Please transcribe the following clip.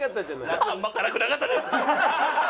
あんま辛くなかったです！！